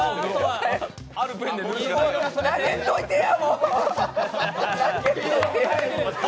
投げんといてや！